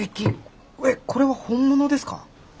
えっこれは本物ですか？